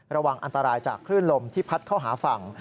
ระวังอันตรายจากคลื่นลมที่พัดเข้าหาฝั่ง